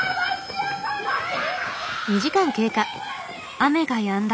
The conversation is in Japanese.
雨がやんだ